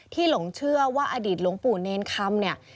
ที่หลงเชื่อว่าอดีตหลวงปู่เนรนคำ